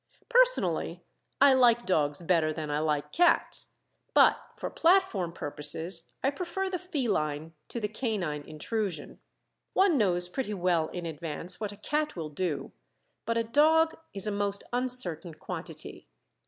Personally I like dogs better than I like cats; but for platform purposes I prefer the feline to the canine intrusion. One knows pretty well in advance what a cat will do; but a dog is a most uncertain quantity.